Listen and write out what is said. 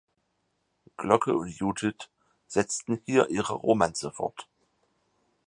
Glocke und Judith setzen hier ihre Romanze fort.